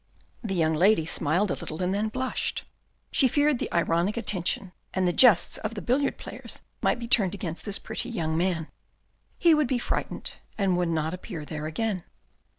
The young lady smiled a little, and then blushed. She 170 THE RED AND THE BLACK feared the ironic attention and the jests of the billiard players might be turned against this pretty young man. He would be frightened and would not appear there again.